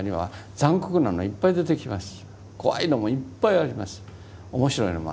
怖いのもいっぱいあります。